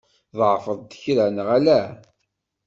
Tḍeεfeḍ-d kra, neɣ ala?